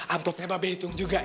envelope nya mba be hitung juga ya